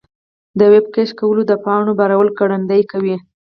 د ویب کیش کول د پاڼو بارول ګړندي کوي.